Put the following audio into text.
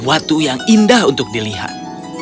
ada pintu yang indah untuk dilihat